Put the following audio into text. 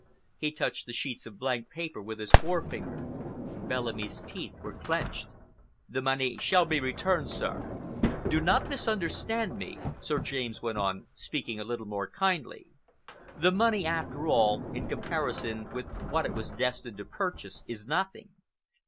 He touched the sheets of blank paper with his forefinger. Bellamy's teeth were clenched. "The money shall be returned, sir. "Do not misunderstand me," Sir James went on, speaking a little more kindly. "The money, after all, in comparison with what it was destined to purchase, is nothing.